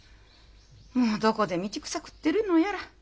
もうどこで道草食ってるのやら。